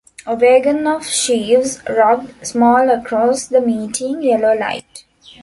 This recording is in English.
A waggon of sheaves rocked small across the melting yellow light.